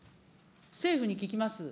政府に聞きます。